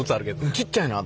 ちっちゃいな頭。